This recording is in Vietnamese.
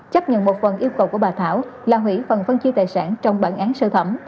chấp nhận một phần yêu cầu của bà thảo là hủy phần phân chia tài sản trong bản án sơ thẩm